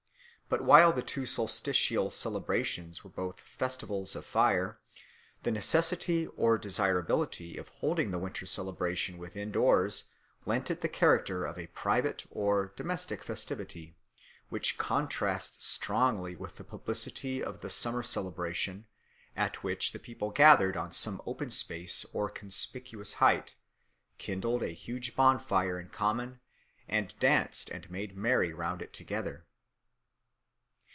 But while the two solstitial celebrations were both festivals of fire, the necessity or desirability of holding the winter celebration within doors lent it the character of a private or domestic festivity, which contrasts strongly with the publicity of the summer celebration, at which the people gathered on some open space or conspicuous height, kindled a huge bonfire in common, and danced and made merry round it together.